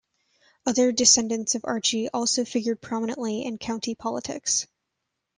Other descendants of Archie also figured prominently in county politics.